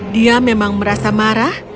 dia memang merasa marah